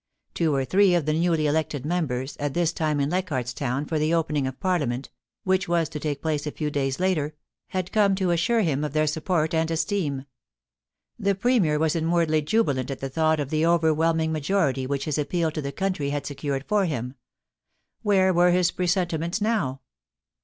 Two or three of the newly elected members, at this time in Leichardt's Town for the opening of Parliament, which was to take place a few days later, had come to assure him of their support and esteem. The Premier was in wardly jubilant at the thought of the overwhelming majority which his appeal to the country had secured for him. Where were his presentiments now?